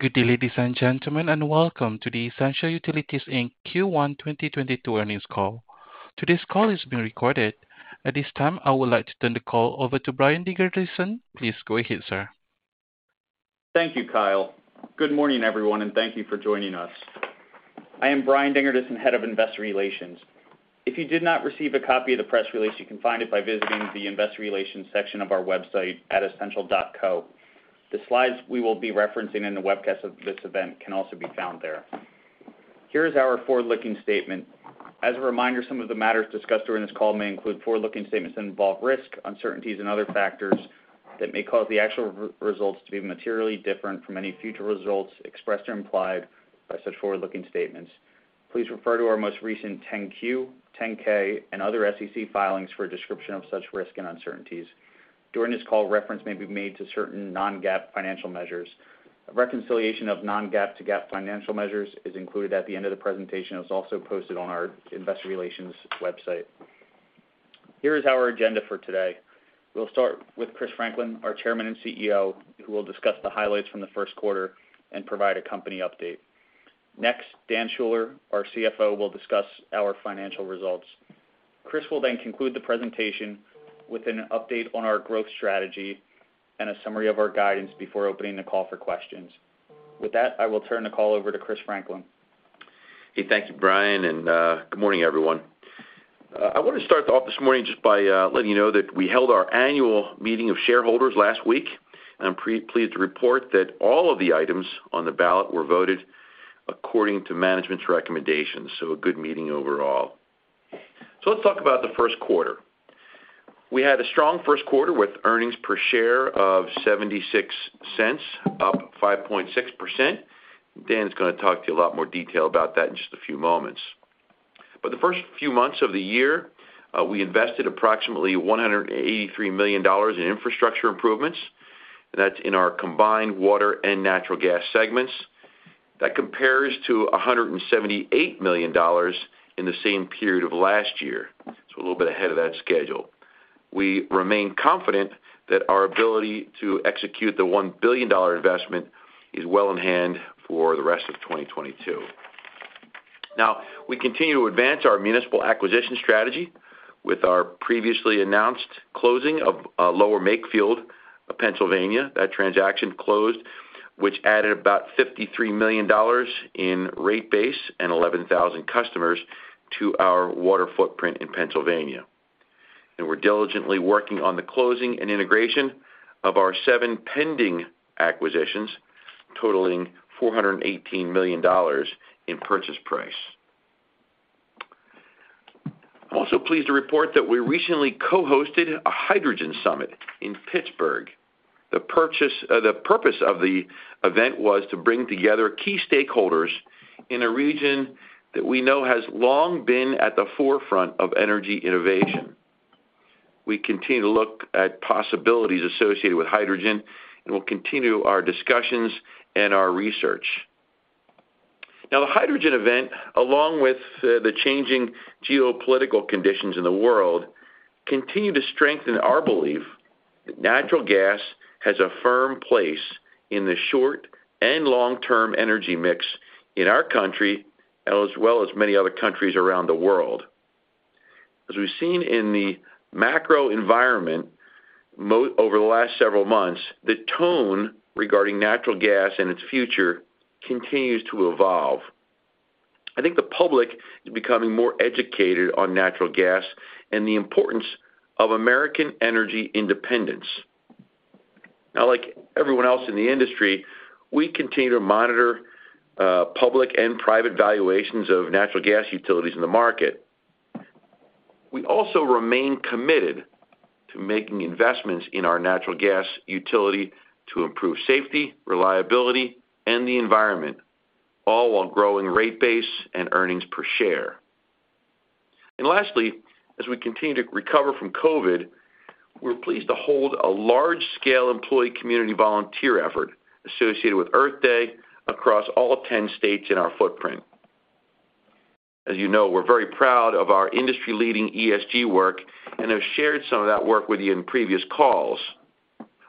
Good day, ladies and gentlemen, and welcome to the Essential Utilities Inc. Q1 2022 earnings call. Today's call is being recorded. At this time, I would like to turn the call over to Brian Dingerdissen. Please go ahead, sir. Thank you, Kyle. Good morning, everyone, and thank you for joining us. I am Brian Dingerdissen and Head of Investor Relations. If you did not receive a copy of the press release, you can find it by visiting the investor relations section of our website at essential.co. The slides we will be referencing in the webcast of this event can also be found there. Here is our forward-looking statement. As a reminder, some of the matters discussed during this call may include forward-looking statements that involve risk, uncertainties, and other factors that may cause the actual results to be materially different from any future results expressed or implied by such forward-looking statements. Please refer to our most recent 10-Q, 10-K, and other SEC filings for a description of such risks and uncertainties. During this call, reference may be made to certain non-GAAP financial measures. A reconciliation of non-GAAP to GAAP financial measures is included at the end of the presentation. It's also posted on our investor relations website. Here is our agenda for today. We'll start with Chris Franklin, our Chairman and CEO, who will discuss the highlights from the first quarter and provide a company update. Next, Dan Schuller, our CFO, will discuss our financial results. Chris will then conclude the presentation with an update on our growth strategy and a summary of our guidance before opening the call for questions. With that, I will turn the call over to Chris Franklin. Hey, thank you, Brian, and good morning, everyone. I want to start off this morning just by letting you know that we held our annual meeting of shareholders last week. I'm pleased to report that all of the items on the ballot were voted according to management's recommendations. A good meeting overall. Let's talk about the first quarter. We had a strong first quarter with earnings per share of $0.76, up 5.6%. Dan's gonna talk to you a lot more detail about that in just a few moments. The first few months of the year, we invested approximately $183 million in infrastructure improvements, that's in our combined water and natural gas segments. That compares to $178 million in the same period of last year. A little bit ahead of that schedule. We remain confident that our ability to execute the $1 billion investment is well in hand for the rest of 2022. Now, we continue to advance our municipal acquisition strategy with our previously announced closing of Lower Makefield, Pennsylvania. That transaction closed, which added about $53 million in rate base and 11,000 customers to our water footprint in Pennsylvania. We're diligently working on the closing and integration of our seven pending acquisitions, totaling $418 million in purchase price. I'm also pleased to report that we recently co-hosted a hydrogen summit in Pittsburgh. The purpose of the event was to bring together key stakeholders in a region that we know has long been at the forefront of energy innovation. We continue to look at possibilities associated with hydrogen, and we'll continue our discussions and our research. Now, the hydrogen event, along with the changing geopolitical conditions in the world, continue to strengthen our belief that natural gas has a firm place in the short- and long-term energy mix in our country, as well as many other countries around the world. As we've seen in the macro environment over the last several months, the tone regarding natural gas and its future continues to evolve. I think the public is becoming more educated on natural gas and the importance of American energy independence. Now, like everyone else in the industry, we continue to monitor public and private valuations of natural gas utilities in the market. We also remain committed to making investments in our natural gas utility to improve safety, reliability, and the environment, all while growing rate base and earnings per share. Lastly, as we continue to recover from COVID, we're pleased to hold a large-scale employee community volunteer effort associated with Earth Day across all 10 states in our footprint. As you know, we're very proud of our industry-leading ESG work and have shared some of that work with you in previous calls.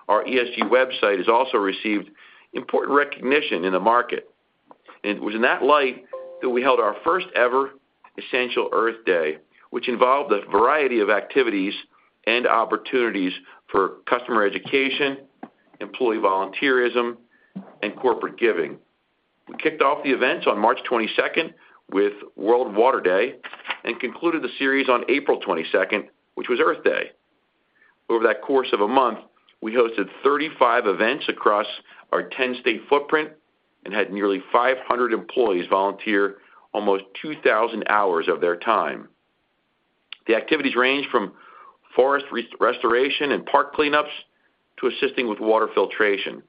Our ESG website has also received important recognition in the market. It was in that light that we held our first ever Essential Earth Day, which involved a variety of activities and opportunities for customer education, employee volunteerism, and corporate giving. We kicked off the events on March 22nd with World Water Day and concluded the series on April 22nd, which was Earth Day. Over that course of a month, we hosted 35 events across our 10-state footprint and had nearly 500 employees volunteer almost 2,000 hours of their time. The activities ranged from forest restoration and park cleanups to assisting with water filtration.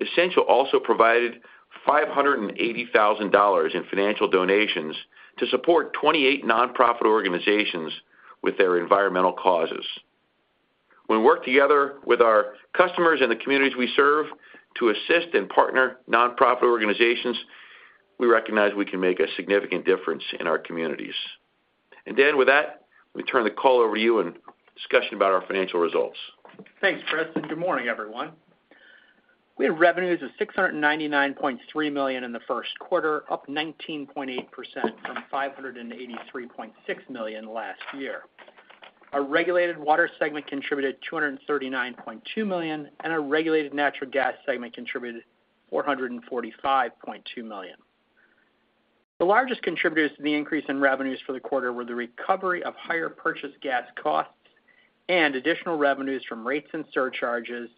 Essential also provided $580,000 in financial donations to support 28 nonprofit organizations with their environmental causes. When we work together with our customers in the communities we serve to assist and partner nonprofit organizations, we recognize we can make a significant difference in our communities. Dan, with that, let me turn the call over to you, and discussion about our financial results. Thanks, Chris, and good morning, everyone. We had revenues of $699.3 million in the first quarter, up 19.8% from $583.6 million last year. Our regulated water segment contributed $239.2 million, and our regulated natural gas segment contributed $445.2 million. The largest contributors to the increase in revenues for the quarter were the recovery of higher purchase gas costs and additional revenues from rates and surcharges,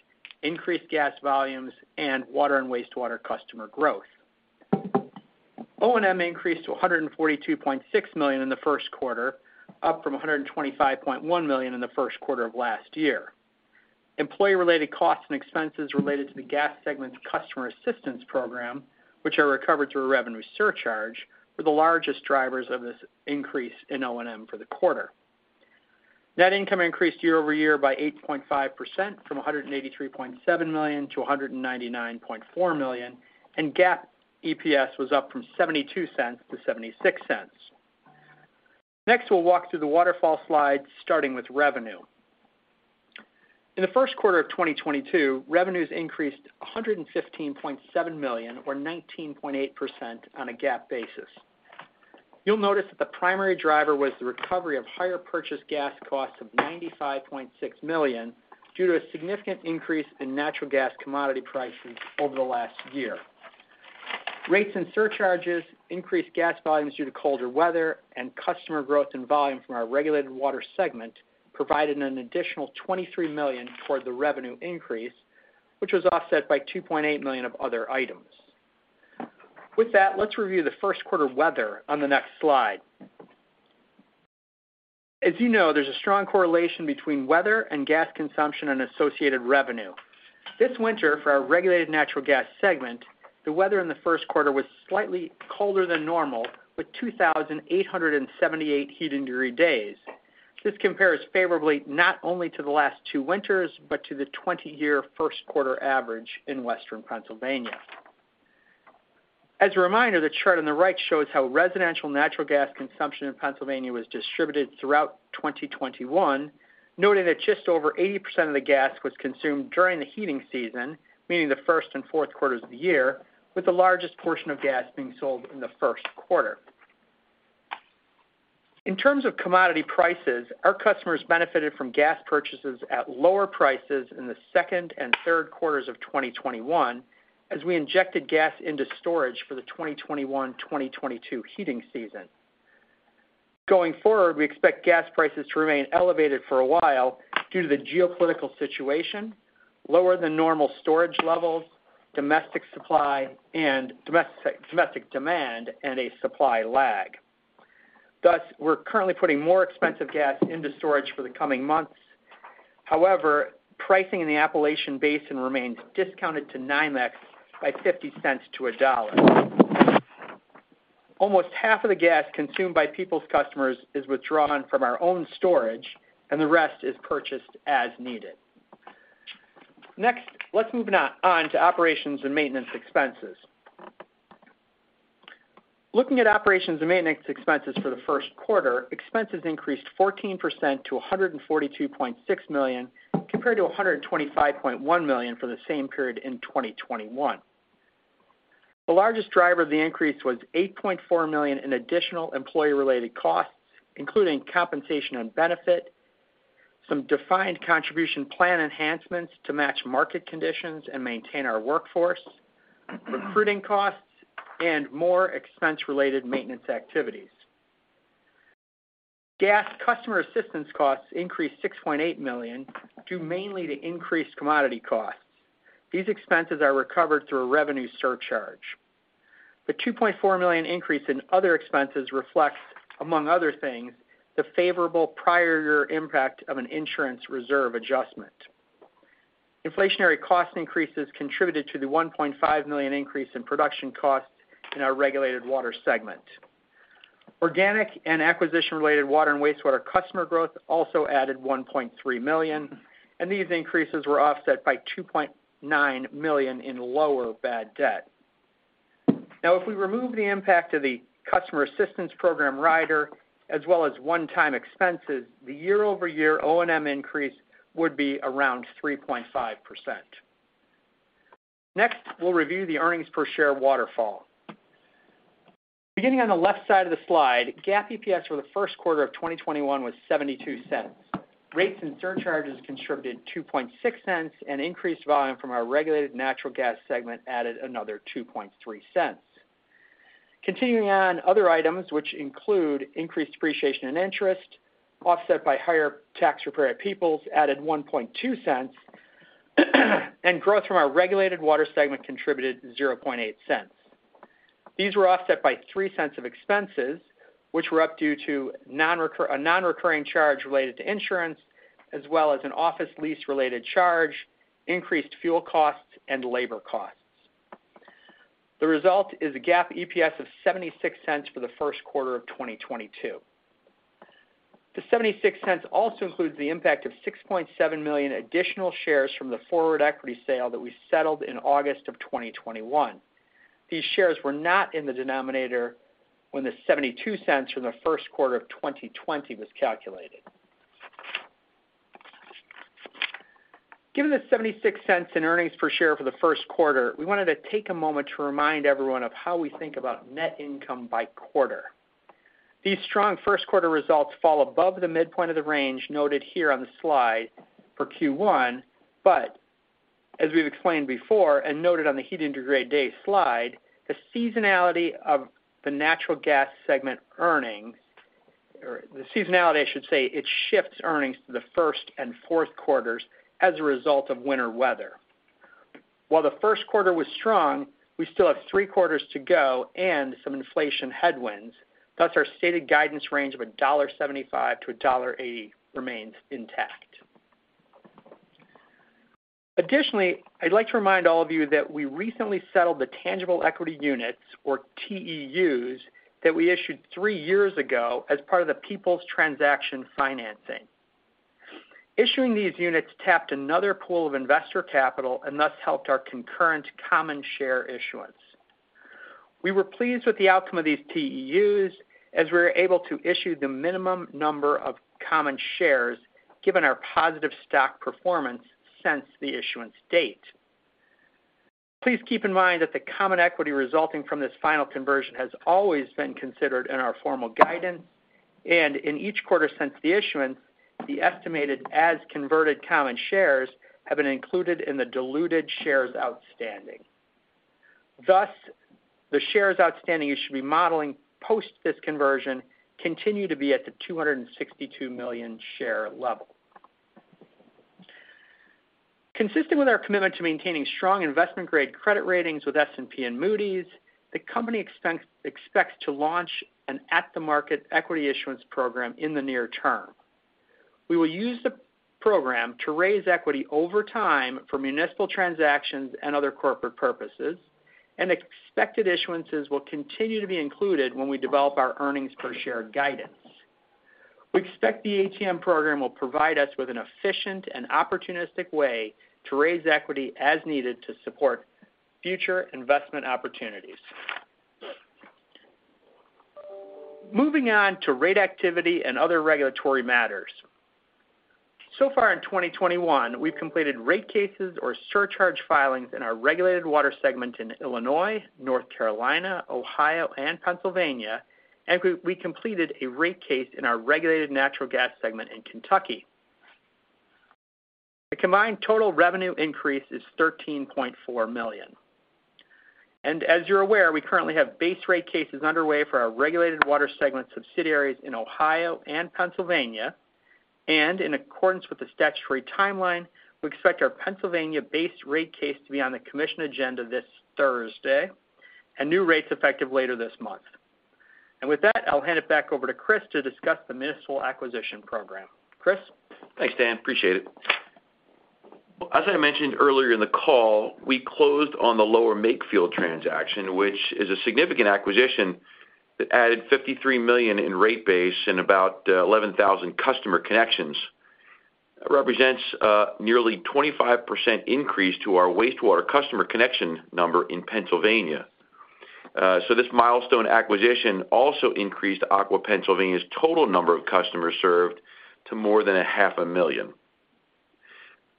increased gas volumes, and water and wastewater customer growth. O&M increased to $142.6 million in the first quarter, up from $125.1 million in the first quarter of last year. Employee-related costs and expenses related to the gas segment's customer assistance program, which are recovered through a revenue surcharge, were the largest drivers of this increase in O&M for the quarter. Net income increased year-over-year by 8.5% from $183.7 million to $199.4 million, and GAAP EPS was up from $0.72 to $0.76. Next, we'll walk through the waterfall slide, starting with revenue. In the first quarter of 2022, revenues increased $115.7 million or 19.8% on a GAAP basis. You'll notice that the primary driver was the recovery of higher purchase gas costs of $95.6 million due to a significant increase in natural gas commodity pricing over the last year. Rates and surcharges increased gas volumes due to colder weather and customer growth and volume from our regulated water segment, providing an additional $23 million toward the revenue increase, which was offset by $2.8 million of other items. With that, let's review the first quarter weather on the next slide. As you know, there's a strong correlation between weather and gas consumption and associated revenue. This winter, for our regulated natural gas segment, the weather in the first quarter was slightly colder than normal, with 2,878 heating degree days. This compares favorably not only to the last two winters, but to the 20-year first quarter average in western Pennsylvania. As a reminder, the chart on the right shows how residential natural gas consumption in Pennsylvania was distributed throughout 2021, noting that just over 80% of the gas was consumed during the heating season, meaning the first and fourth quarters of the year, with the largest portion of gas being sold in the first quarter. In terms of commodity prices, our customers benefited from gas purchases at lower prices in the second and third quarters of 2021 as we injected gas into storage for the 2021-2022 heating season. Going forward, we expect gas prices to remain elevated for a while due to the geopolitical situation, lower than normal storage levels, domestic supply and domestic demand, and a supply lag. Thus, we're currently putting more expensive gas into storage for the coming months. However, pricing in the Appalachian Basin remains discounted to NYMEX by $0.50-$1. Almost half of the gas consumed by Peoples customers is withdrawn from our own storage, and the rest is purchased as needed. Next, let's move on to operations and maintenance expenses. Looking at operations and maintenance expenses for the first quarter, expenses increased 14% to $142.6 million, compared to $125.1 million for the same period in 2021. The largest driver of the increase was $8.4 million in additional employee related costs, including compensation and benefit, some defined contribution plan enhancements to match market conditions and maintain our workforce, recruiting costs, and more expense-related maintenance activities. Gas customer assistance costs increased $6.8 million, due mainly to increased commodity costs. These expenses are recovered through a revenue surcharge. The $2.4 million increase in other expenses reflects, among other things, the favorable prior year impact of an insurance reserve adjustment. Inflationary cost increases contributed to the $1.5 million increase in production costs in our regulated water segment. Organic and acquisition-related water and wastewater customer growth also added $1.3 million, and these increases were offset by $2.9 million in lower bad debt. Now, if we remove the impact of the customer assistance program rider as well as one-time expenses, the year-over-year O&M increase would be around 3.5%. Next, we'll review the earnings per share waterfall. Beginning on the left side of the slide, GAAP EPS for the first quarter of 2021 was $0.72. Rates and surcharges contributed $0.026, and increased volume from our regulated natural gas segment added another $0.023. Continuing on, other items, which include increased depreciation and interest offset by higher tax repair at Peoples, added $0.012, and growth from our regulated water segment contributed $0.008. These were offset by $0.03 of expenses, which were up due to a non-recurring charge related to insurance, as well as an office lease-related charge, increased fuel costs, and labor costs. The result is a GAAP EPS of $0.76 for the first quarter of 2022. The $0.76 also includes the impact of 6.7 million additional shares from the forward equity sale that we settled in August of 2021. These shares were not in the denominator when the $0.72 from the first quarter of 2020 was calculated. Given the $0.76 in earnings per share for the first quarter, we wanted to take a moment to remind everyone of how we think about net income by quarter. These strong first-quarter results fall above the midpoint of the range noted here on the slide for Q1. As we've explained before and noted on the heating degree day slide, the seasonality of the natural gas segment earnings or the seasonality, I should say, it shifts earnings to the first and fourth quarters as a result of winter weather. While the first quarter was strong, we still have three quarters to go and some inflation headwinds. Thus, our stated guidance range of $1.75-$1.80 remains intact. Additionally, I'd like to remind all of you that we recently settled the tangible equity units, or TEUs, that we issued three years ago as part of the Peoples transaction financing. Issuing these units tapped another pool of investor capital and thus helped our concurrent common share issuance. We were pleased with the outcome of these TEUs as we were able to issue the minimum number of common shares given our positive stock performance since the issuance date. Please keep in mind that the common equity resulting from this final conversion has always been considered in our formal guidance, and in each quarter since the issuance, the estimated as converted common shares have been included in the diluted shares outstanding. Thus, the shares outstanding you should be modeling post this conversion continue to be at the 262 million share level. Consistent with our commitment to maintaining strong investment-grade credit ratings with S&P and Moody's, the company expects to launch an at-the-market equity issuance program in the near term. We will use the program to raise equity over time for municipal transactions and other corporate purposes, and expected issuances will continue to be included when we develop our earnings per share guidance. We expect the ATM program will provide us with an efficient and opportunistic way to raise equity as needed to support future investment opportunities. Moving on to rate activity and other regulatory matters. So far in 2021, we've completed rate cases or surcharge filings in our regulated water segment in Illinois, North Carolina, Ohio, and Pennsylvania, and we completed a rate case in our regulated natural gas segment in Kentucky. The combined total revenue increase is $13.4 million. As you're aware, we currently have base rate cases underway for our regulated water segment subsidiaries in Ohio and Pennsylvania. In accordance with the statutory timeline, we expect our Pennsylvania-based rate case to be on the commission agenda this Thursday and new rates effective later this month. With that, I'll hand it back over to Chris to discuss the municipal acquisition program. Chris? Thanks, Dan. Appreciate it. As I mentioned earlier in the call, we closed on the Lower Makefield transaction, which is a significant acquisition that added $53 million in rate base and about 11,000 customer connections. Represents nearly 25% increase to our wastewater customer connection number in Pennsylvania. This milestone acquisition also increased Aqua Pennsylvania's total number of customers served to more than 500,000.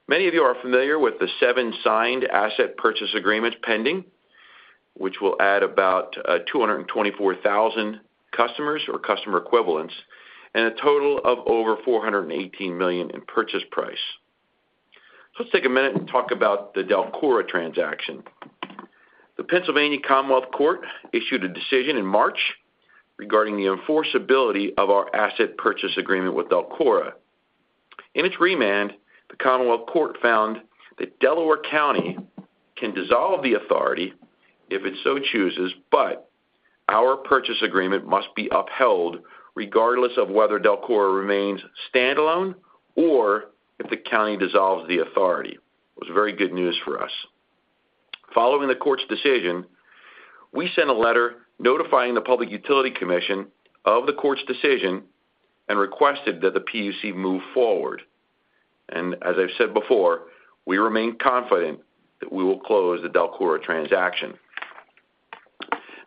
Many of you are familiar with the seven signed asset purchase agreements pending, which will add about 224,000 customers or customer equivalents and a total of over $418 million in purchase price. Let's take a minute and talk about the DELCORA transaction. The Pennsylvania Commonwealth Court issued a decision in March regarding the enforceability of our asset purchase agreement with DELCORA. In its remand, the Commonwealth Court found that Delaware County can dissolve the authority if it so chooses, but our purchase agreement must be upheld regardless of whether DELCORA remains standalone or if the county dissolves the authority. It was very good news for us. Following the court's decision, we sent a letter notifying the Public Utility Commission of the court's decision and requested that the PUC move forward. As I've said before, we remain confident that we will close the DELCORA transaction.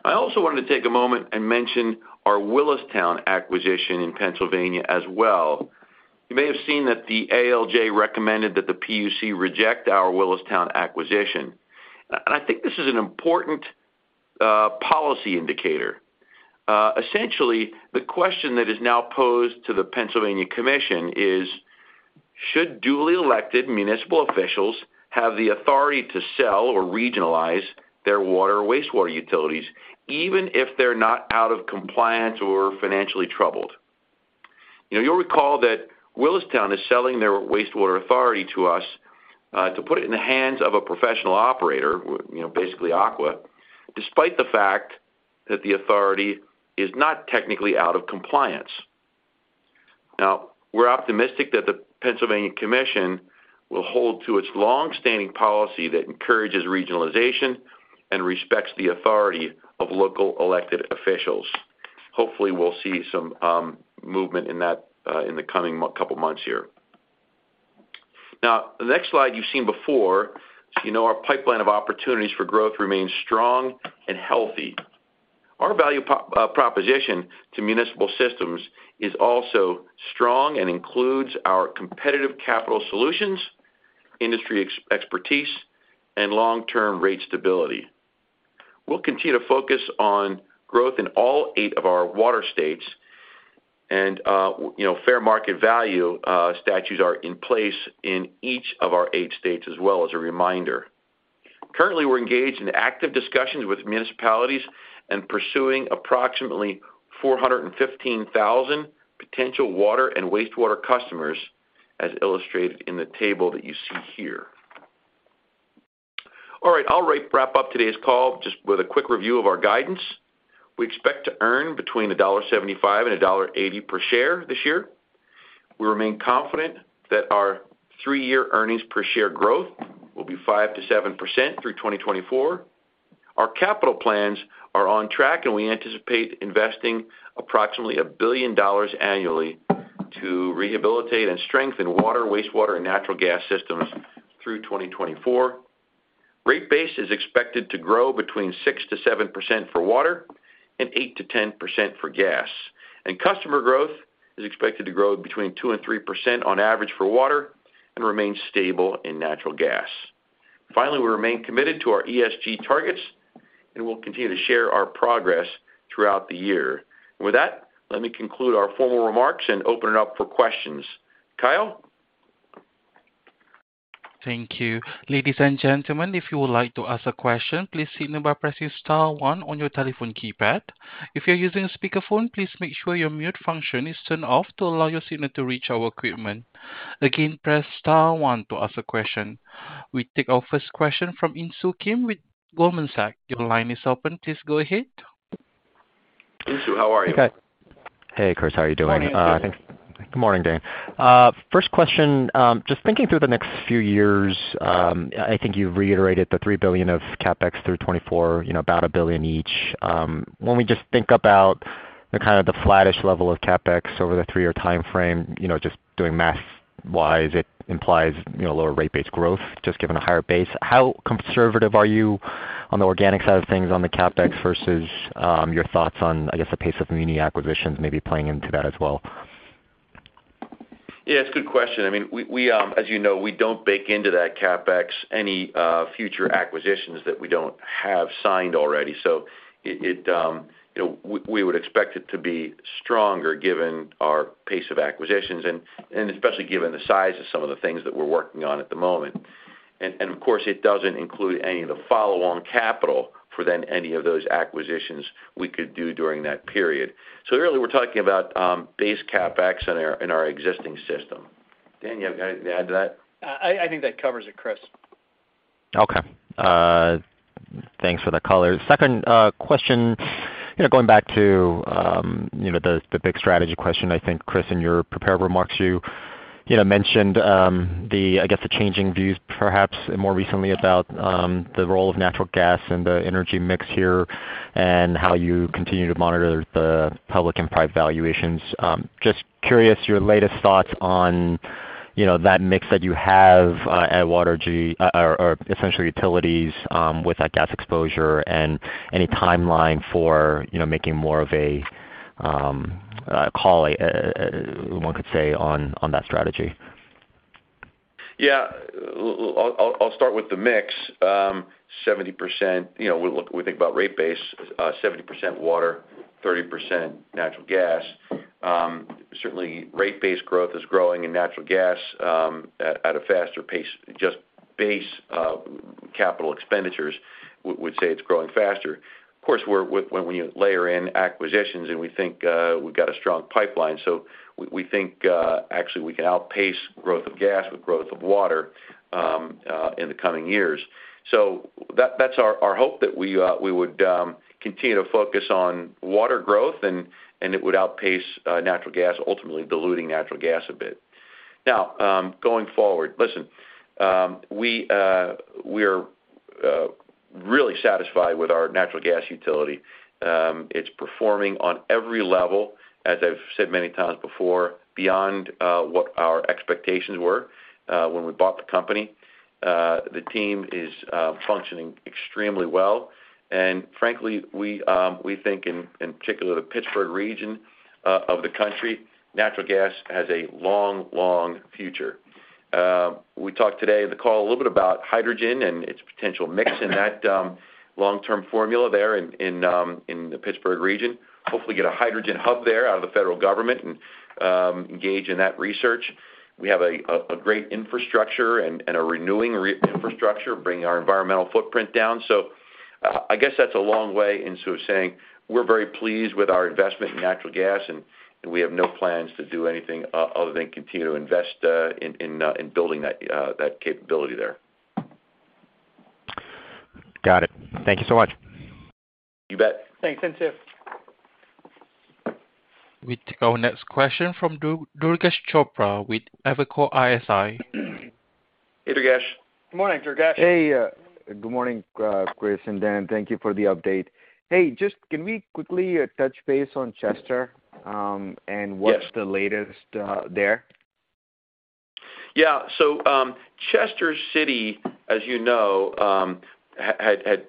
I also wanted to take a moment and mention our Willistown acquisition in Pennsylvania as well. You may have seen that the ALJ recommended that the PUC reject our Willistown acquisition. I think this is an important policy indicator. Essentially, the question that is now posed to the Pennsylvania Commission is, should duly elected municipal officials have the authority to sell or regionalize their water or wastewater utilities, even if they're not out of compliance or financially troubled? You know, you'll recall that Willistown is selling their wastewater authority to us, to put it in the hands of a professional operator, you know, basically Aqua, despite the fact that the authority is not technically out of compliance. Now, we're optimistic that the Pennsylvania Commission will hold to its long-standing policy that encourages regionalization and respects the authority of local elected officials. Hopefully, we'll see some movement in that in the coming couple of months here. Now, the next slide you've seen before, so you know our pipeline of opportunities for growth remains strong and healthy. Our value proposition to municipal systems is also strong and includes our competitive capital solutions, industry expertise, and long-term rate stability. We'll continue to focus on growth in all eight of our water states and, you know, fair market value statutes are in place in each of our eight states as well, as a reminder. Currently, we're engaged in active discussions with municipalities and pursuing approximately 415,000 potential water and wastewater customers, as illustrated in the table that you see here. All right, I'll wrap up today's call just with a quick review of our guidance. We expect to earn between $1.75 and $1.80 per share this year. We remain confident that our three-year earnings per share growth will be 5%-7% through 2024. Our capital plans are on track, and we anticipate investing approximately $1 billion annually to rehabilitate and strengthen water, wastewater, and natural gas systems through 2024. Rate base is expected to grow between 6%-7% for water and 8%-10% for gas. Customer growth is expected to grow between 2%-3% on average for water and remain stable in natural gas. Finally, we remain committed to our ESG targets, and we'll continue to share our progress throughout the year. With that, let me conclude our formal remarks and open it up for questions. Kyle? Thank you. Ladies and gentlemen, if you would like to ask a question, please signal by pressing star one on your telephone keypad. If you're using a speakerphone, please make sure your mute function is turned off to allow your signal to reach our equipment. Again, press star one to ask a question. We take our first question from Insoo Kim with Goldman Sachs. Your line is open. Please go ahead. Insoo, how are you? Okay. Hey, Chris, how are you doing? Morning, Insoo. Good morning, Dan. First question, just thinking through the next few years, I think you've reiterated the $3 billion of CapEx through 2024, you know, about $1 billion each. When we just think about the kind of the flattish level of CapEx over the three-year timeframe, you know, just doing math-wise, it implies, you know, lower rate-based growth, just given a higher base. How conservative are you on the organic side of things on the CapEx versus your thoughts on, I guess, the pace of mini acquisitions maybe playing into that as well? Yeah, it's a good question. I mean, we, as you know, we don't bake into that CapEx any future acquisitions that we don't have signed already. It you know we would expect it to be stronger given our pace of acquisitions and especially given the size of some of the things that we're working on at the moment. Of course, it doesn't include any of the follow-on capital for then any of those acquisitions we could do during that period. Really we're talking about base CapEx in our existing system. Dan, you have anything to add to that? I think that covers it, Chris. Okay. Thanks for the color. Second question, you know, going back to the big strategy question. I think, Chris, in your prepared remarks, you know, mentioned the changing views perhaps more recently about the role of natural gas in the energy mix here and how you continue to monitor the public and private valuations. Just curious, your latest thoughts on that mix that you have at Essential Utilities with that gas exposure and any timeline for making more of a call, one could say, on that strategy. Yeah. I'll start with the mix. 70%, you know, when we look, we think about rate base, 70% water, 30% natural gas. Certainly rate base growth is growing in natural gas at a faster pace, just based on capital expenditures would say it's growing faster. Of course when you layer in acquisitions and we think we've got a strong pipeline, so we think actually we can outpace growth of gas with growth of water in the coming years. So that's our hope that we would continue to focus on water growth and it would outpace natural gas, ultimately diluting natural gas a bit. Now going forward, listen, we're really satisfied with our natural gas utility. It's performing on every level, as I've said many times before, beyond what our expectations were when we bought the company. The team is functioning extremely well. Frankly, we think, in particular, the Pittsburgh region of the country, natural gas has a long future. We talked today in the call a little bit about hydrogen and its potential mix in that long-term formula there in the Pittsburgh region. Hopefully get a hydrogen hub there out of the federal government and engage in that research. We have a great infrastructure and a renewing infrastructure, bringing our environmental footprint down. I guess that's a long way in sort of saying we're very pleased with our investment in natural gas, and we have no plans to do anything other than continue to invest in building that capability there. Got it. Thank you so much. You bet. Thanks, Insoo. We take our next question from Durgesh Chopra with Evercore ISI. Hey, Durgesh. Good morning, Durgesh. Hey, good morning, Chris and Dan. Thank you for the update. Hey, just can we quickly touch base on Chester? Yes. What's the latest, there? Yeah. Chester City, as you know, had,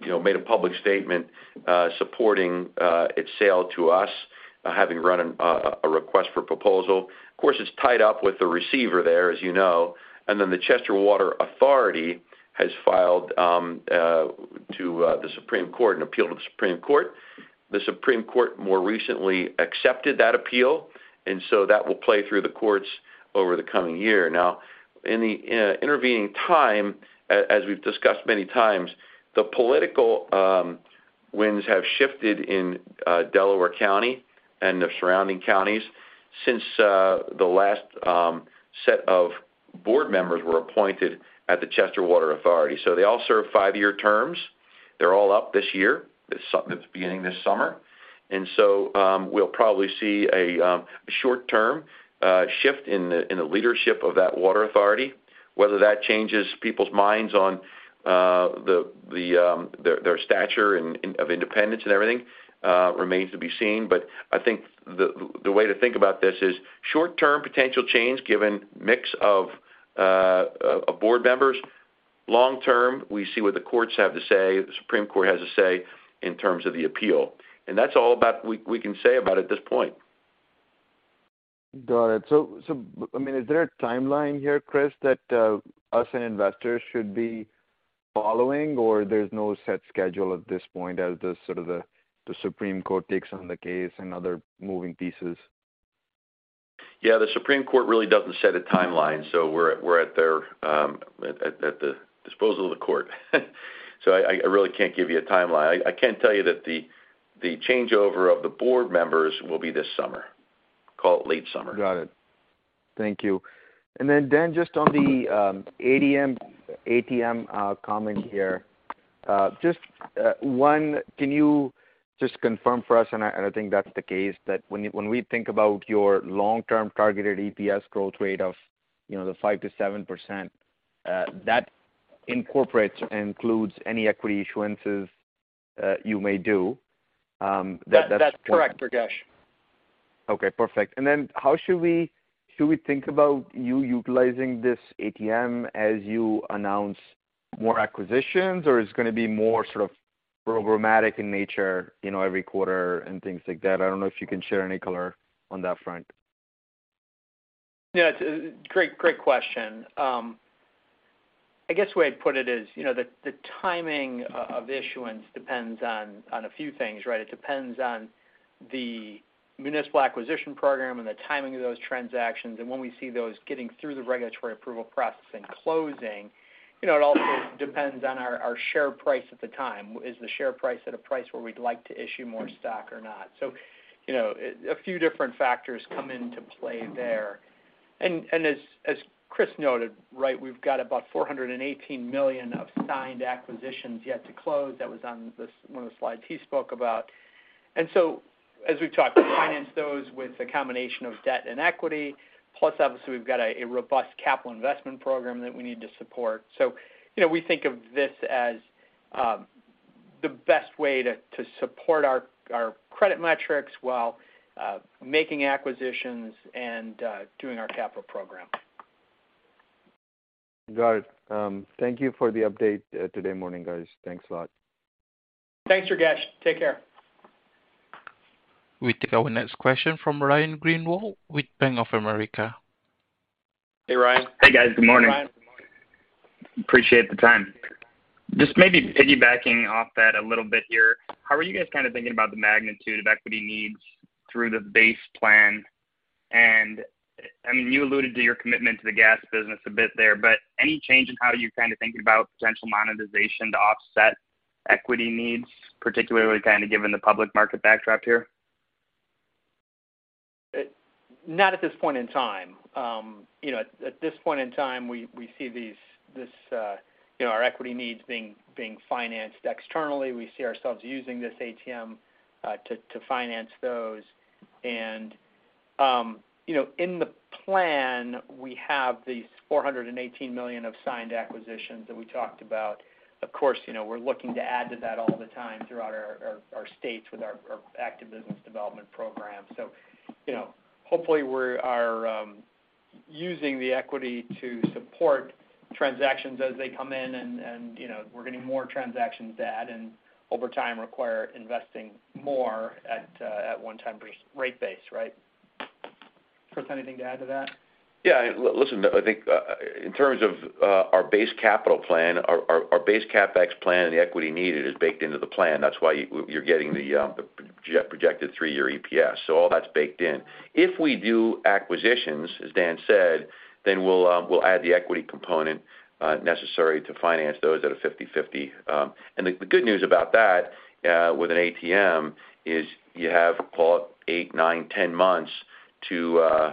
you know, made a public statement supporting its sale to us, having run a request for proposal. Of course, it's tied up with the receiver there, as you know, and then the Chester Water Authority has filed an appeal to the Supreme Court. The Supreme Court more recently accepted that appeal, and so that will play through the courts over the coming year. Now, in the intervening time, as we've discussed many times, the political winds have shifted in Delaware County and the surrounding counties since the last set of board members were appointed at the Chester Water Authority. They all serve five-year terms. They're all up this year. It's something that's beginning this summer. We'll probably see a short-term shift in the leadership of that water authority. Whether that changes people's minds on their stature and independence and everything remains to be seen. I think the way to think about this is short-term potential change given mix of board members. Long-term, we see what the courts have to say, the Supreme Court has to say in terms of the appeal. That's all we can say about at this point. Got it. I mean, is there a timeline here, Chris, that us and investors should be following, or there's no set schedule at this point as the sort of the Supreme Court takes on the case and other moving pieces? Yeah, the Supreme Court really doesn't set a timeline, so we're at the disposal of the court. I really can't give you a timeline. I can tell you that the changeover of the board members will be this summer. Call it late summer. Got it. Thank you. Dan, just on the ATM comment here. Just one, can you just confirm for us, and I think that's the case, that when we think about your long-term targeted EPS growth rate of 5%-7%, that incorporates or includes any equity issuances you may do, that- That's correct, Durgesh. Okay, perfect. Should we think about you utilizing this ATM as you announce more acquisitions, or it's gonna be more sort of programmatic in nature, you know, every quarter and things like that? I don't know if you can share any color on that front. Yeah, it's a great question. I guess the way I'd put it is, you know, the timing of issuance depends on a few things, right? It depends on the municipal acquisition program and the timing of those transactions, and when we see those getting through the regulatory approval process and closing. You know, it also depends on our share price at the time. Is the share price at a price where we'd like to issue more stock or not? So, you know, a few different factors come into play there. As Chris noted, right, we've got about $418 million of signed acquisitions yet to close. That was on one of the slides he spoke about. As we've talked, finance those with a combination of debt and equity, plus obviously we've got a robust capital investment program that we need to support. You know, we think of this as the best way to support our credit metrics while making acquisitions and doing our capital program. Got it. Thank you for the update, today morning, guys. Thanks a lot. Thanks, Durgesh. Take care. We take our next question from Ryan Greenwald with Bank of America. Hey, Ryan. Hey, guys. Good morning. Hey, Ryan. Appreciate the time. Just maybe piggybacking off that a little bit here. How are you guys kind of thinking about the magnitude of equity needs through the base plan? I mean, you alluded to your commitment to the gas business a bit there, but any change in how you're kind of thinking about potential monetization to offset equity needs, particularly kind of given the public market backdrop here? Not at this point in time. You know, at this point in time, we see this, you know, our equity needs being financed externally. We see ourselves using this ATM to finance those. You know, in the plan, we have these $418 million of signed acquisitions that we talked about. Of course, you know, we're looking to add to that all the time throughout our states with our active business development program. You know, hopefully, we're using the equity to support transactions as they come in and, you know, we're getting more transactions to add and over time require investing more at one time versus rate base, right? Chris, anything to add to that? Listen, I think in terms of our base capital plan, our base CapEx plan and the equity needed is baked into the plan. That's why you're getting the projected three-year EPS. All that's baked in. If we do acquisitions, as Dan said, then we'll add the equity component necessary to finance those at a 50/50. And the good news about that with an ATM is you have, call it eight, nine, 10 months to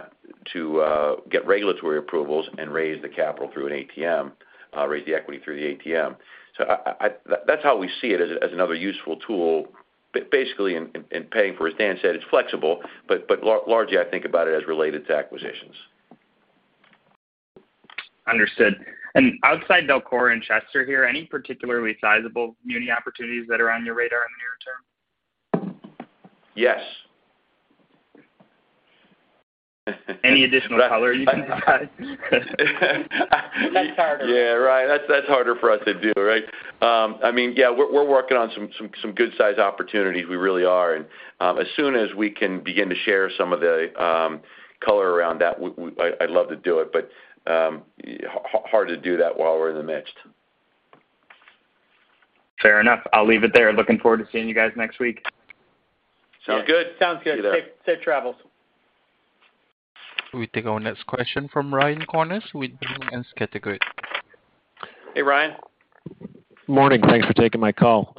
get regulatory approvals and raise the capital through an ATM, raise the equity through the ATM. I that's how we see it as another useful tool, basically in paying for. As Dan said, it's flexible, but largely, I think about it as related to acquisitions. Understood. Outside DELCORA and Chester here, any particularly sizable muni opportunities that are on your radar in the near term? Yes. Any additional color you can add? That's harder. Yeah, right. That's harder for us to do, right? I mean, yeah, we're working on some good-sized opportunities. We really are. As soon as we can begin to share some of the color around that, I'd love to do it, but hard to do that while we're in the midst. Fair enough. I'll leave it there. Looking forward to seeing you guys next week. Sounds good. Sounds good. See you there. Safe travels. We take our next question from Ryan Connors with Boenning & Scattergood. Hey, Ryan. Morning. Thanks for taking my call.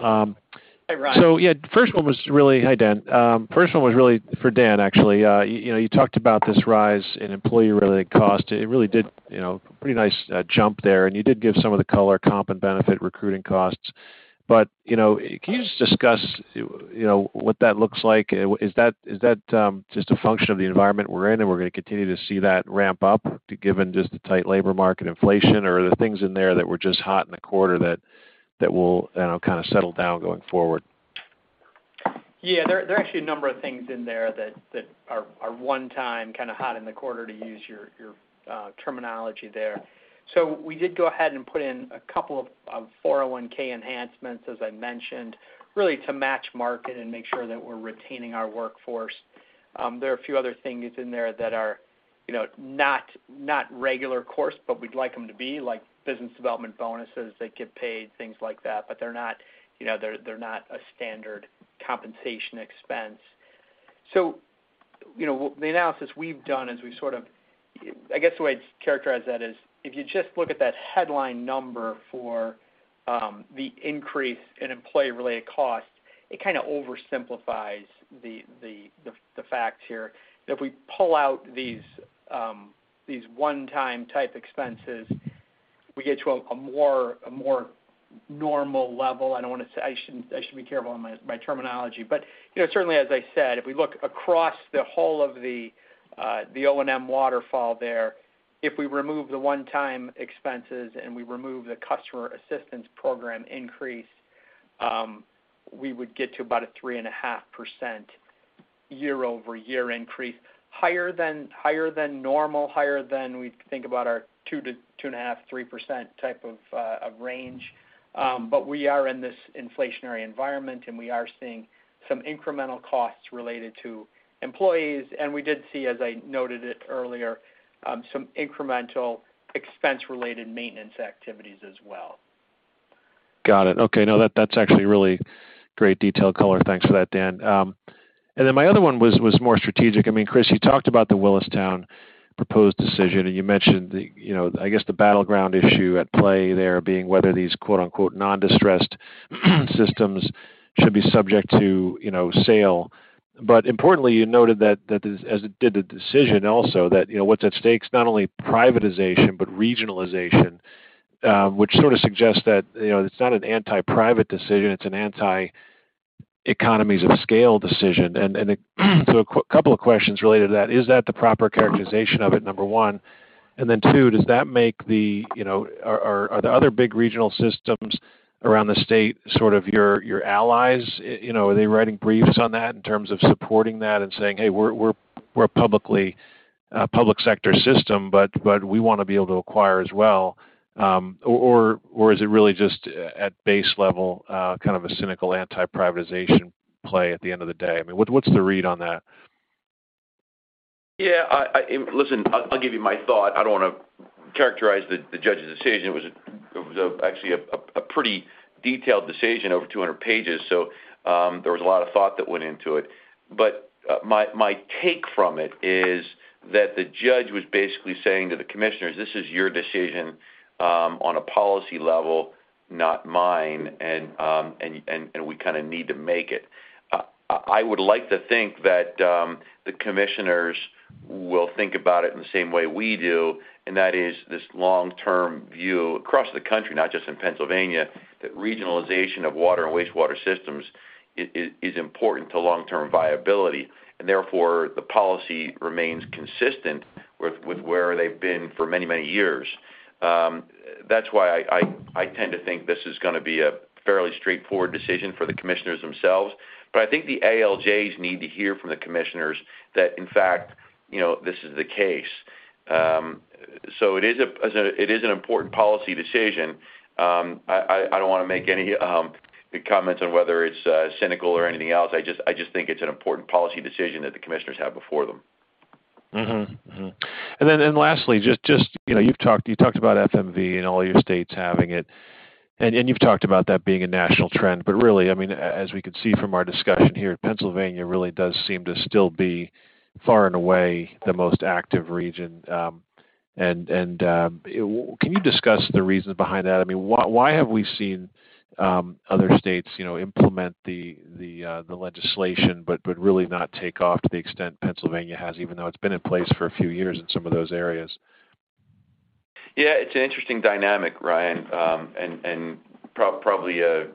Hey, Ryan. Hi, Dan. First one was really for Dan, actually. You know, you talked about this rise in employee-related cost. It really did a pretty nice jump there, and you did give some of the color, comp, and benefits recruiting costs. You know, can you just discuss what that looks like? Is that just a function of the environment we're in, and we're gonna continue to see that ramp up given just the tight labor market, inflation, or are there things in there that were just hot in the quarter that'll kind of settle down going forward? Yeah. There are actually a number of things in there that are one time kind of hot in the quarter, to use your terminology there. We did go ahead and put in a couple of 401(k) enhancements, as I mentioned, really to match market and make sure that we're retaining our workforce. There are a few other things in there that are, you know, not regular course, but we'd like them to be, like business development bonuses that get paid, things like that. They're not, you know, they're not a standard compensation expense. You know, the analysis we've done is we've sort of, I guess, the way I'd characterize that is, if you just look at that headline number for the increase in employee-related costs, it kind of oversimplifies the fact here. If we pull out these one-time type expenses, we get to a more normal level. I don't wanna say. I shouldn't. I should be careful on my terminology. You know, certainly, as I said, if we look across the whole of the O&M waterfall there, if we remove the one-time expenses and we remove the customer assistance program increase, we would get to about a 3.5% year-over-year increase, higher than normal, higher than we'd think about our 2%-2.5%, 3% type of range. We are in this inflationary environment, and we are seeing some incremental costs related to employees. We did see, as I noted it earlier, some incremental expense-related maintenance activities as well. Got it. Okay. No, that's actually really great detailed color. Thanks for that, Dan. My other one was more strategic. I mean, Chris, you talked about the Willistown proposed decision, and you mentioned the, you know, I guess the battleground issue at play there being whether these "non-distressed" systems should be subject to, you know, sale. Importantly, you noted that as the decision also did that, you know, what's at stake is not only privatization, but regionalization, which sort of suggests that, you know, it's not an anti-private decision, it's an anti-economies-of-scale decision. So a couple of questions related to that. Is that the proper characterization of it, number one? Two, does that make, you know, are the other big regional systems around the state sort of your allies? You know, are they writing briefs on that in terms of supporting that and saying, "Hey, we're a public sector system, but we wanna be able to acquire as well." Or is it really just at base level, kind of a cynical anti-privatization play at the end of the day? I mean, what's the read on that? Yeah. Listen, I'll give you my thought. I don't wanna characterize the judge's decision. It was actually a pretty detailed decision, over 200 pages, so there was a lot of thought that went into it. My take from it is that the judge was basically saying to the commissioners, "This is your decision on a policy level, not mine, and we kinda need to make it." I would like to think that the commissioners will think about it in the same way we do, and that is this long-term view across the country, not just in Pennsylvania, and that regionalization of water and wastewater systems is important to long-term viability, and therefore the policy remains consistent with where they've been for many years. That's why I tend to think this is gonna be a fairly straightforward decision for the commissioners themselves. I think the ALJs need to hear from the commissioners that, in fact, you know, this is the case. It is an important policy decision. I don't wanna make any comments on whether it's cynical or anything else. I just think it's an important policy decision that the commissioners have before them. Lastly, just, you know, you've talked about FMV and all your states having it, and you've talked about that being a national trend. Really, I mean, as we can see from our discussion here, Pennsylvania really does seem to still be far and away the most active region. Can you discuss the reasons behind that? I mean, why have we seen other states, you know, implement the legislation but really not take off to the extent Pennsylvania has, even though it's been in place for a few years in some of those areas? Yeah, it's an interesting dynamic, Ryan, and probably a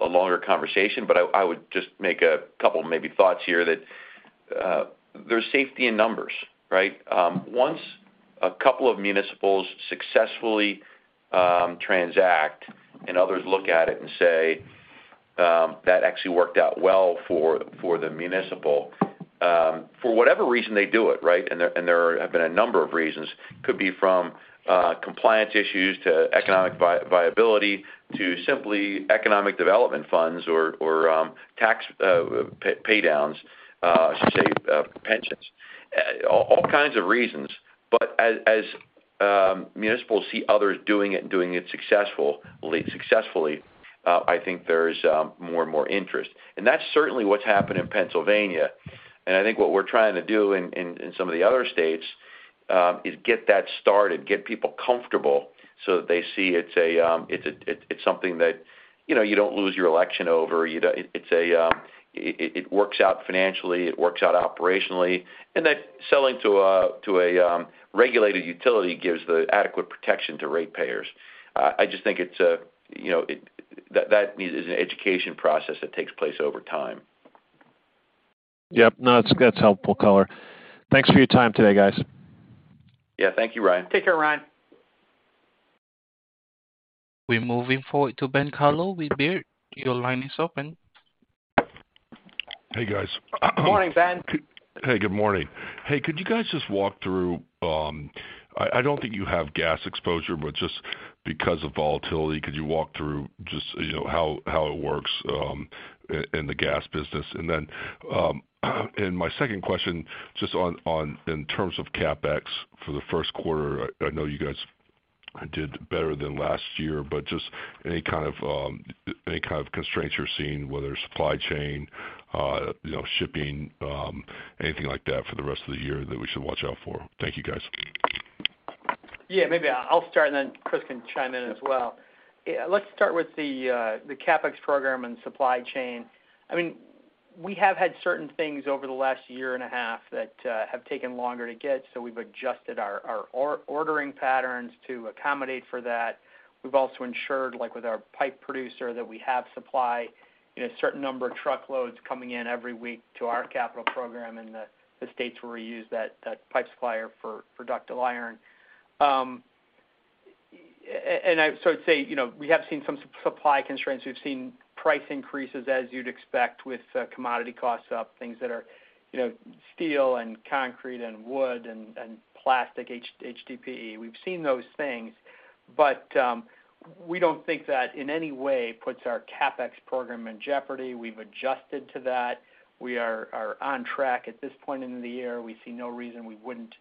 longer conversation, but I would just make a couple of maybe thoughts here that there's safety in numbers, right? Once a couple of municipals successfully transact and others look at it and say, "That actually worked out well for the municipal," for whatever reason they do it, right? There have been a number of reasons, could be from compliance issues to economic viability to simply economic development funds or tax paydowns, say, pensions. All kinds of reasons. As municipals see others doing it and doing it successfully, I think there's more and more interest. That's certainly what's happened in Pennsylvania. I think what we're trying to do in some of the other states is get that started, get people comfortable so that they see it's something that, you know, you don't lose your election over. It works out financially. It works out operationally. That selling to a regulated utility gives the adequate protection to ratepayers. I just think that, you know, that is an education process that takes place over time. Yep. No, that's helpful color. Thanks for your time today, guys. Yeah. Thank you, Ryan. Take care, Ryan. We're moving forward to Ben Kallo with Baird. Your line is open. Hey, guys. Good morning, Ben. Hey, good morning. Hey, could you guys just walk through. I don't think you have gas exposure, but just because of volatility, could you walk through just how it works in the gas business? Then my second question, just on in terms of CapEx for the first quarter, I know you guys did better than last year, but just any kind of constraints you're seeing, whether supply chain, shipping, anything like that for the rest of the year that we should watch out for. Thank you, guys. Maybe I'll start, and then Chris can chime in as well. Let's start with the CapEx program and supply chain. I mean, we have had certain things over the last year and a half that have taken longer to get, so we've adjusted our ordering patterns to accommodate for that. We've also ensured, like with our pipe producer, that we have supply in a certain number of truckloads coming in every week to our capital program in the states where we use that pipe supplier for ductile iron. So I'd say, you know, we have seen some supply constraints. We've seen price increases, as you'd expect with commodity costs up, things that are, you know, steel and concrete and wood and plastic HDPE. We've seen those things, but we don't think that in any way puts our CapEx program in jeopardy. We've adjusted to that. We are on track at this point in the year. We see no reason we wouldn't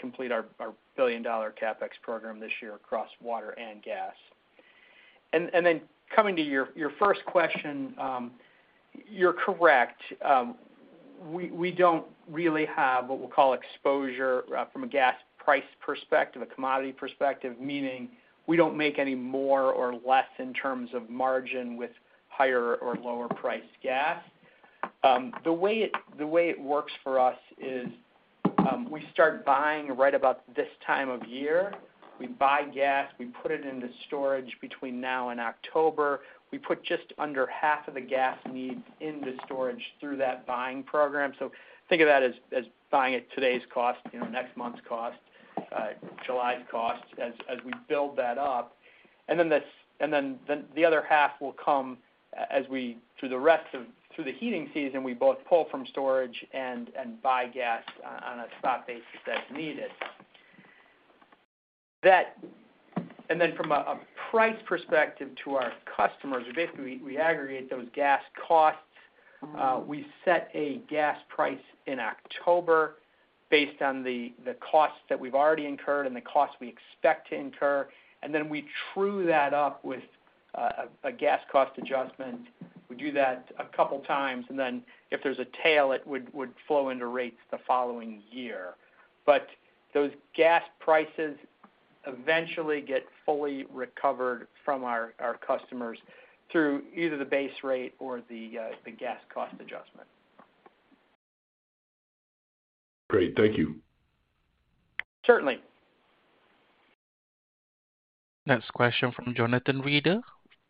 complete our billion-dollar CapEx program this year across water and gas. Then coming to your first question, you're correct. We don't really have what we'll call exposure from a gas price perspective, a commodity perspective, meaning we don't make any more or less in terms of margin with higher or lower priced gas. The way it works for us is we start buying right about this time of year. We buy gas. We put it into storage between now and October. We put just under half of the gas needs into storage through that buying program. Think of that as buying at today's cost, you know, next month's cost, July's cost as we build that up. The other half will come as we through the heating season, we both pull from storage and buy gas on a spot basis as needed. From a price perspective to our customers, basically, we aggregate those gas costs. We set a gas price in October based on the costs that we've already incurred and the costs we expect to incur, and then we true that up with a gas cost adjustment. We do that a couple of times, and then if there's a tail, it would flow into rates the following year. Those gas prices eventually get fully recovered from our customers through either the base rate or the gas cost adjustment. Great. Thank you. Certainly. Next question from Jonathan Reeder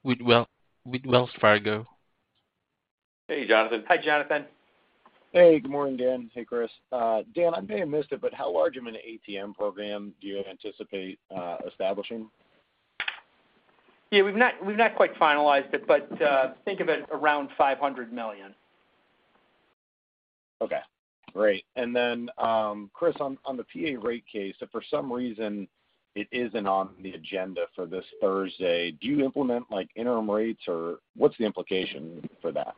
with Wells Fargo. Hey, Jonathan. Hi, Jonathan. Hey, good morning, Dan. Hey, Chris. Dan, I may have missed it, but how large of an ATM program do you anticipate establishing? Yeah. We've not quite finalized it, but think of it around $500 million. Okay. Great. Chris, on the PA rate case, if for some reason it isn't on the agenda for this Thursday, do you implement like interim rates or what's the implication for that?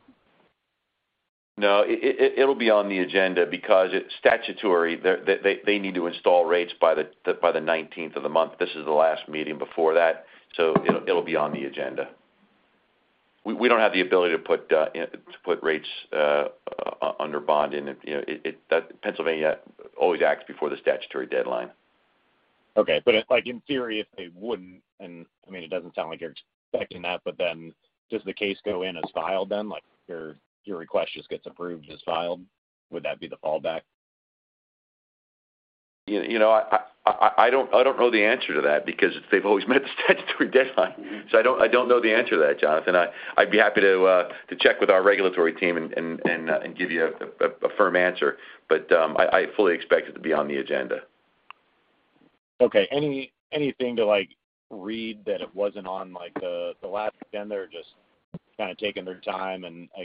No, it'll be on the agenda because it's statutory. They need to install rates by the nineteenth of the month. This is the last meeting before that, so it'll be on the agenda. We don't have the ability to put rates under bond. Pennsylvania always acts before the statutory deadline. Okay. Like, in theory, if they wouldn't, and I mean, it doesn't sound like you're expecting that, but then does the case go in as filed then? Like, your request just gets approved as filed. Would that be the fallback? You know, I don't know the answer to that because they've always met the statutory deadline. I don't know the answer to that, Jonathan. I'd be happy to check with our regulatory team and give you a firm answer. I fully expect it to be on the agenda. Okay. Anything to, like, read that it wasn't on, like, the last agenda or just kind of taking their time? I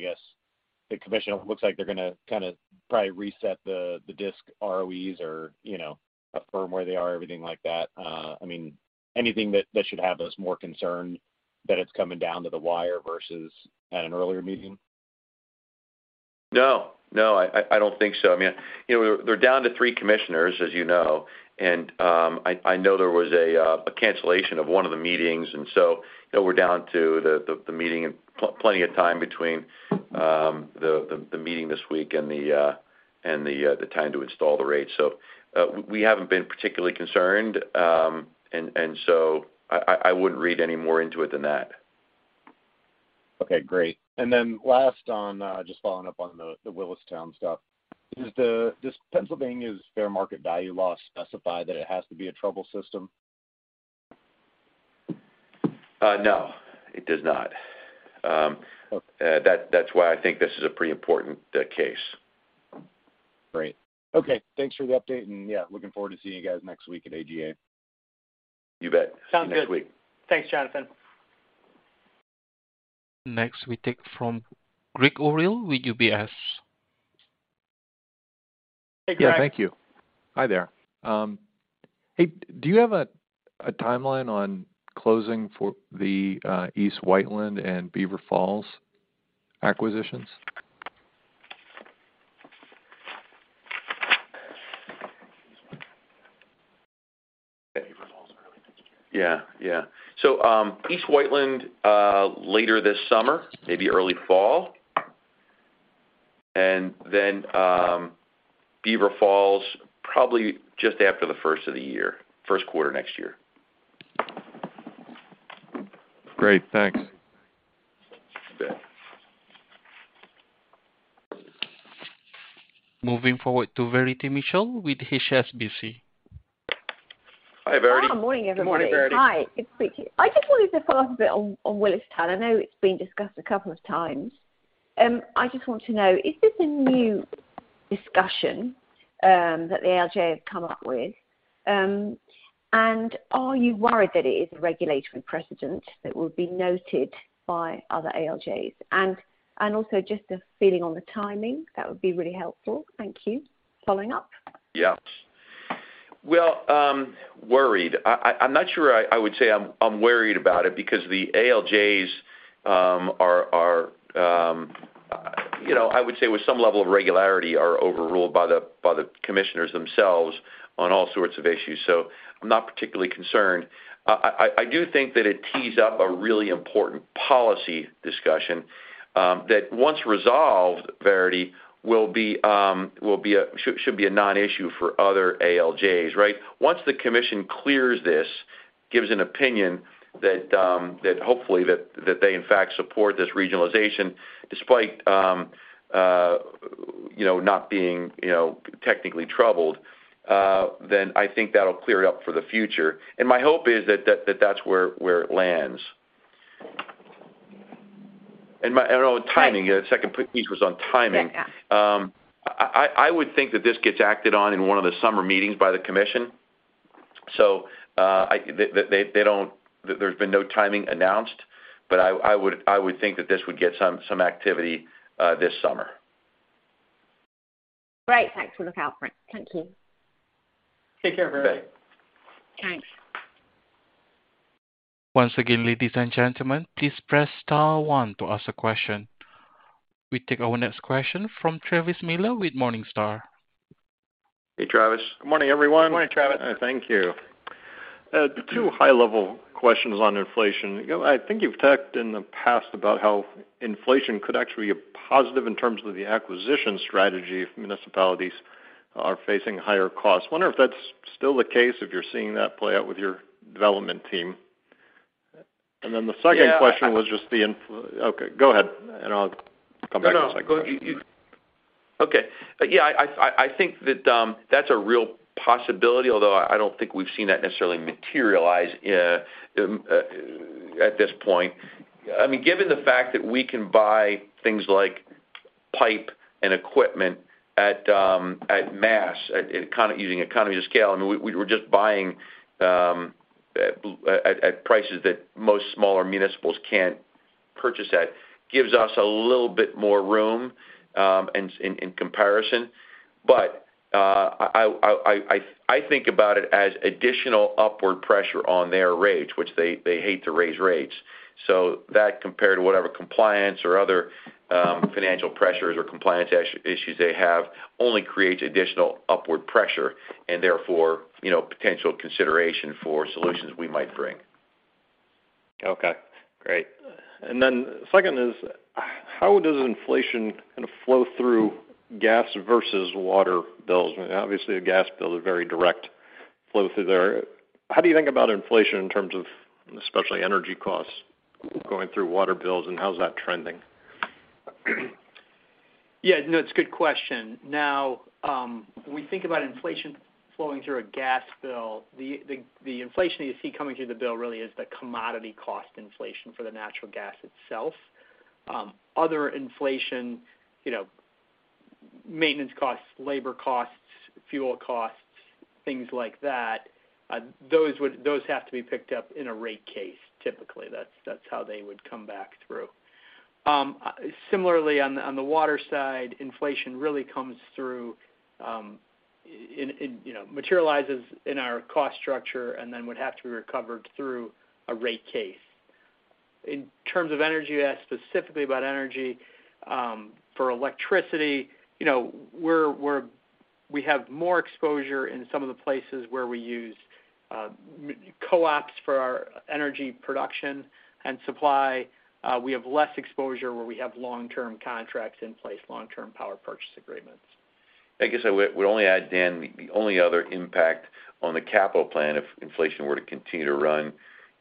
guess the commission looks like they're gonna kinda probably reset the risk ROEs or, you know, affirm where they are, everything like that. I mean, anything that should have us more concerned that it's coming down to the wire versus at an earlier meeting? No, I don't think so. I mean, you know, they're down to three commissioners, as you know. I know there was a cancellation of one of the meetings, and so, you know, we're down to the meeting and plenty of time between the meeting this week and the time to install the rates. We haven't been particularly concerned. I wouldn't read any more into it than that. Okay, great. Then last on, just following up on the Willistown stuff. Does Pennsylvania's fair market value law specify that it has to be a troubled system? No, it does not. Okay. That's why I think this is a pretty important case. Great. Okay. Thanks for the update, and yeah, looking forward to seeing you guys next week at AGA. You bet. Sounds good. See you next week. Thanks, Jonathan. Next, we take from Gregg Orrill with UBS. Hey, Gregg. Yeah, thank you. Hi there. Hey, do you have a timeline on closing for the East Whiteland and Beaver Falls acquisitions? Beaver Falls early next year. Yeah. East Whiteland later this summer, maybe early fall. Beaver Falls probably just after the first of the year, first quarter next year. Great. Thanks. You bet. Moving forward to Verity Mitchell with HSBC. Hi, Verity. Hi. Morning, everybody. Good morning, Verity. I just wanted to follow up a bit on Willistown. I know it's been discussed a couple of times. I just want to know, is this a new discussion that the ALJ have come up with? And are you worried that it is a regulatory precedent that will be noted by other ALJs? And also just a feeling on the timing, that would be really helpful. Thank you. Following up. Yeah. Well, worried. I'm not sure I would say I'm worried about it because the ALJs are, you know, I would say with some level of regularity, are overruled by the commissioners themselves on all sorts of issues. I'm not particularly concerned. I do think that it tees up a really important policy discussion that once resolved, Verity, should be a non-issue for other ALJs, right? Once the commission clears this, gives an opinion that hopefully they in fact support this regionalization despite you know not being you know technically troubled, then I think that'll clear it up for the future. My hope is that that's where it lands. On timing, the second piece was on timing. Yeah. I would think that this gets acted on in one of the summer meetings by the commission. There's been no timing announced, but I would think that this would get some activity this summer. Great. Thanks. We look out for it. Thank you. Take care, Verity. You bet. Thanks. Once again, ladies and gentlemen, please press star one to ask a question. We take our next question from Travis Miller with Morningstar. Hey, Travis. Good morning, everyone. Good morning, Travis. Thank you. Two high-level questions on inflation. You know, I think you've talked in the past about how inflation could actually be a positive in terms of the acquisition strategy if municipalities are facing higher costs. Wonder if that's still the case, if you're seeing that play out with your development team. The second question was just the inflation, okay, go ahead, and I'll come back to the second question. No, no. Go ahead. Okay. Yeah, I think that that's a real possibility, although I don't think we've seen that necessarily materialize at this point. I mean, given the fact that we can buy things like pipe and equipment using economies of scale, I mean, we're just buying at prices that most smaller municipals can't purchase at. Gives us a little bit more room in comparison. I think about it as additional upward pressure on their rates, which they hate to raise rates. That compared to whatever compliance or other financial pressures or compliance issues they have only creates additional upward pressure and therefore, you know, potential consideration for solutions we might bring. Okay, great. Second is how does inflation kind of flow through gas versus water bills? Obviously, a gas bill is very direct flow through there. How do you think about inflation in terms of especially energy costs going through water bills and how is that trending? Yeah, no, it's a good question. Now, we think about inflation flowing through a gas bill. The inflation you see coming through the bill really is the commodity cost inflation for the natural gas itself. Other inflation, you know, maintenance costs, labor costs, fuel costs, things like that, those have to be picked up in a rate case, typically. That's how they would come back through. Similarly, on the water side, inflation really comes through in you know, materializes in our cost structure and then would have to be recovered through a rate case. In terms of energy, you asked specifically about energy. For electricity, you know, we have more exposure in some of the places where we use co-ops for our energy production and supply. We have less exposure where we have long-term contracts in place, long-term power purchase agreements. I guess I would only add, Dan, the only other impact on the capital plan if inflation were to continue to run,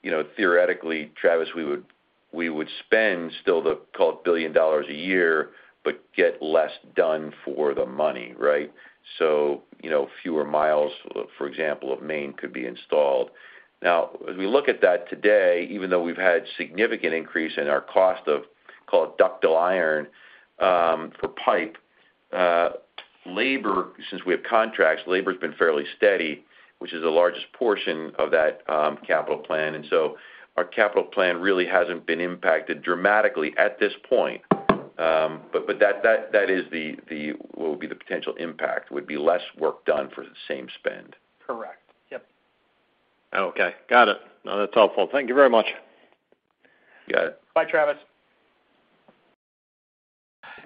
you know, theoretically, Travis, we would spend still the call it $1 billion a year, but get less done for the money, right? So, you know, fewer miles, for example, of main could be installed. Now, as we look at that today, even though we've had significant increase in our cost of call it ductile iron for pipe, labor, since we have contracts, labor's been fairly steady, which is the largest portion of that capital plan. Our capital plan really hasn't been impacted dramatically at this point. But that is the what would be the potential impact, would be less work done for the same spend. Correct. Yep. Okay. Got it. No, that's helpful. Thank you very much. Got it. Bye, Travis.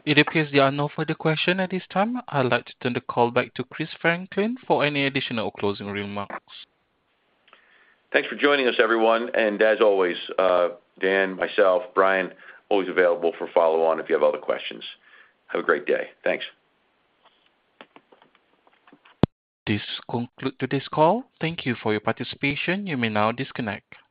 It appears there are no further questions at this time. I'd like to turn the call back to Chris Franklin for any additional closing remarks. Thanks for joining us, everyone. As always, Dan, myself, Brian, always available for follow-up if you have other questions. Have a great day. Thanks. This concludes today's call. Thank you for your participation. You may now disconnect.